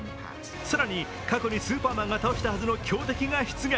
更に過去にスーパーマンが倒したはずの強敵が出現。